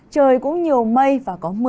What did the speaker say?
trời cũng nhiều mây và cơn gió rất nhiều